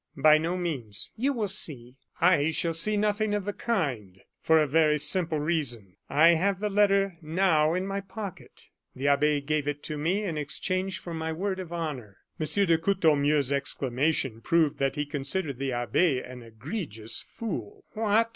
"By no means." "You will see." "I shall see nothing of the kind, for a very simple reason. I have the letter now in my pocket. The abbe gave it to me in exchange for my word of honor." M. de Courtornieu's exclamation proved that he considered the abbe an egregious fool. "What!"